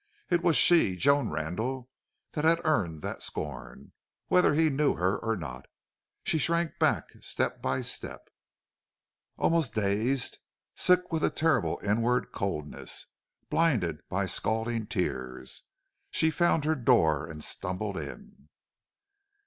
It was she, Joan Randle, that had earned that scorn, whether he knew her or not. She shrank back, step by step, almost dazed, sick with a terrible inward, coldness, blinded by scalding tears. She found her door and stumbled in.